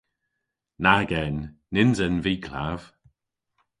Nag en. Nyns en vy klav.